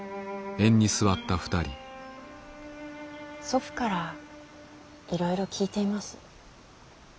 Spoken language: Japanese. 祖父からいろいろ聞いています。